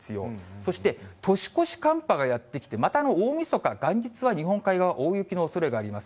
そして年越し寒波がやって来て、また大みそか、元日は日本海側、大雪のおそれがあります。